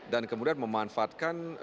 dan kemudian memanfaatkan